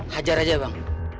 hajar aja bang